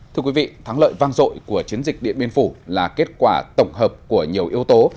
thưa quý vị thắng lợi vang dội của chiến dịch điện biên phủ là kết quả tổng hợp của nhiều yếu tố